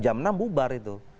jam enam bubar itu